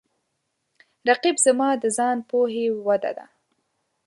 رقیب زما د ځان پوهې وده ده